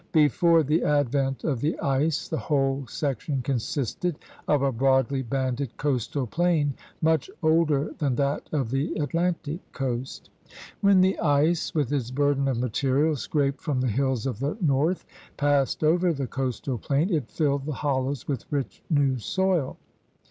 Before the advent of the ice the whole section consisted of a broadly banded coastal plain much older than that of the Atlantic coast. When the ice with its burden of material scraped from the hills of the north passed over the coastal plain, it filled the hollows with rich new soil.